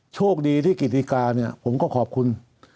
โชคดีที่ศรีศรีกาผมก็ขอบคุณ